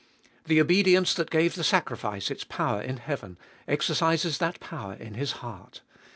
The obedience that gave the sacrifice its power in heaven, exercises that power in his heart.